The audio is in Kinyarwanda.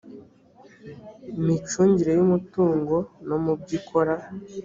micungire y umutungo no mu byo ikora